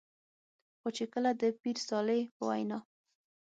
خو چې کله د پير صالح په وېنا